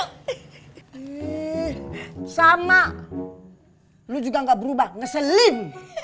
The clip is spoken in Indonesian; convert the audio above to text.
ih sama lu juga ga berubah ngeselin